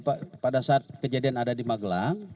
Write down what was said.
pada saat kejadian ada di magelang